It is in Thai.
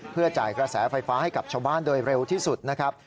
เพื่อจ่ายกระแสไฟฟ้าให้กับชาวบ้านโดยเร็วที่สุดนะครับ